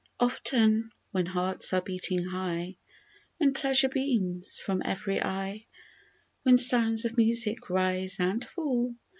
OFTEN, when hearts are beating high, When pleasure beams from evVy eye ; When sounds of music rise and fall.